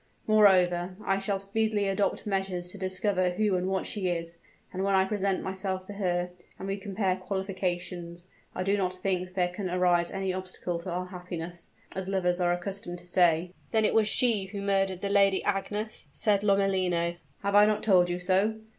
Moreover, I shall speedily adopt measures to discover who and what she is; and when I present myself to her, and we compare qualifications, I do not think there can arise any obstacle to our happiness as lovers are accustomed to say." "Then it was she who murdered the Lady Agnes?" said Lomellino. "Have I not told you so?